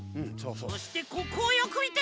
そしてここをよくみて！